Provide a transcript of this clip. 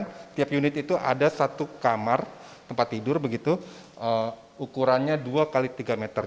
dan tiap unit itu ada satu kamar tempat tidur begitu ukurannya dua x tiga meter